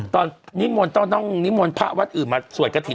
นิมนต์ต้องนิมนต์พระวัดอื่นมาสวดกระถิ่น